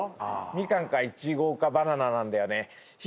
みかんかいちごかバナナなんだよね